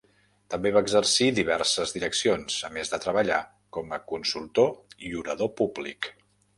També va exercir diverses direccions, a més de treballar com a consultor i orador públic.